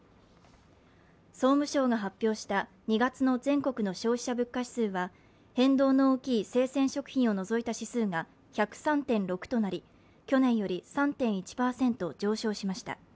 総務省が発表した２月の全国の消費者物価指数は変動の大きい生鮮食品を除いた指数が１０３．６となり、去年より３．１％上昇しました。